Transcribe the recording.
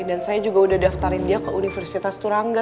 dan saya juga udah daftarin dia ke universitas turangga